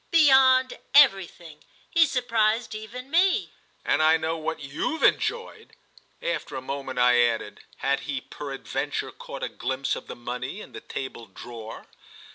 "Beyond everything. He surprised even me." "And I know what you've enjoyed." After a moment I added: "Had he peradventure caught a glimpse of the money in the table drawer?"